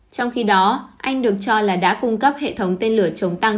trong khi đó anh được cho là đã cung cấp hệ thống tên lửa chống tăng